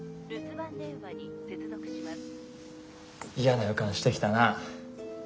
嫌な予感してきたな。